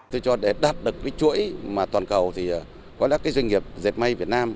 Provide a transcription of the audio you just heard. tôi cho để đạt được cái chuỗi mà toàn cầu thì có các cái doanh nghiệp dệt may việt nam